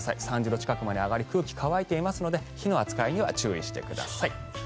３０度近くまで上がり空気は乾燥していますので火の扱いには注意してください。